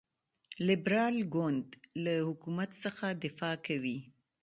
لیبرال ګوند له حکومت څخه دفاع کوي.